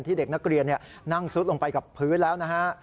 เด็กนักเรียนนั่งซุดลงไปกับพื้นแล้วนะฮะ